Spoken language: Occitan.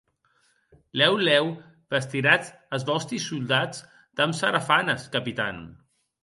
Lèu lèu vestiratz as vòsti soldats damb sarafanes, capitan!